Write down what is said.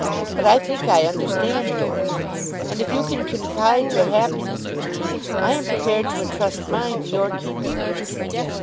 But I think I understand yours; and if you can confide your happiness with me, I am prepared to intrust mine to your keeping."